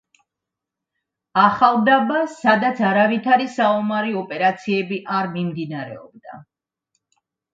ახალდაბა, სადაც არავითარი საომარი ოპერაციები არ მიმდინარეობდა.